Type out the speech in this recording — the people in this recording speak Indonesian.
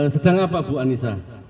sedang apa ibu anissa